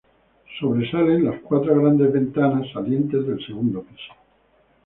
Sobresalen las cuatro grandes ventanas salientes del segundo piso.